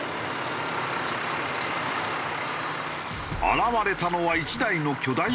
現れたのは１台のでっか！